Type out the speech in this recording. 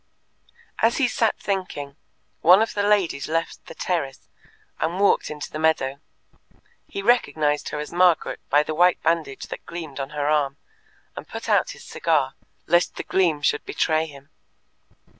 As he sat thinking, one of the ladies left the terrace and walked into the meadow; he recognized her as Margaret by the white bandage that gleamed on her arm, and put out his cigar, lest the gleam should betray him.